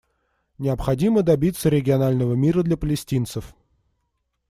Необходимо добиться регионального мира для палестинцев.